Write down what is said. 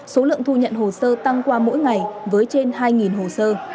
số lượng thu nhận hồ sơ tăng qua mỗi ngày với trên hai hồ sơ